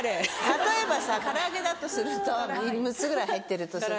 例えば唐揚げだとすると６つぐらい入ってるとする。